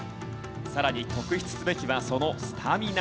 さらに特出すべきはそのスタミナ。